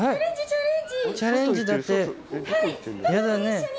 チャレンジだってヤダね。